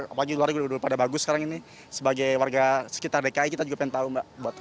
apalagi luar negeri pada bagus sekarang ini sebagai warga sekitar dki kita juga pengen tahu mbak